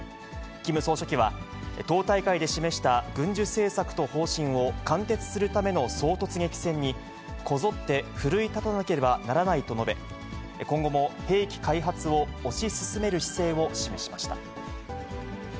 キム総書記は、党大会で示した軍需政策と方針を貫徹するための総突撃戦にこぞって奮い立たなければならないと述べ、今後も兵器開発を推し進める姿勢を示しました。